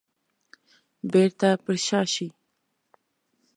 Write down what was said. بيرته پر شا شي.